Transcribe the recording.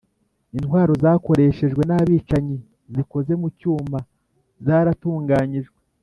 Intwaro zakoreshejwe n abicanyi zikoze mu cyuma zaratunganyijwe